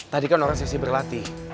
tadi kan orang sesi berlatih